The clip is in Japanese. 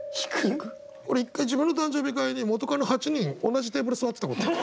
俺１回自分の誕生日会に元カノ８人同じテーブル座ってたことある。